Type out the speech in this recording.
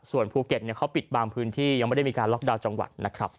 ส่วนภูเก็ตเขาปิดบางพื้นที่ยังไม่ได้มีการล็อกดาวน์จังหวัดนะครับ